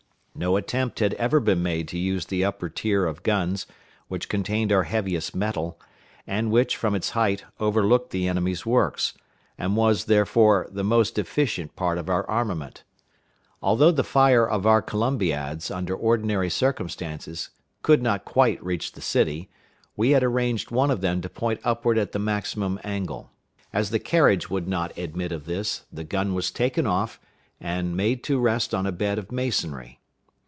No attempt had ever been made to use the upper tier of guns, which contained our heaviest metal, and which, from its height, overlooked the enemy's works, and was, therefore, the most efficient part of our armament. Although the fire of our columbiads, under ordinary circumstances, could not quite reach the city, we had arranged one of them to point upward at the maximum angle. As the carriage would not admit of this, the gun was taken off, and made to rest on a bed of masonry.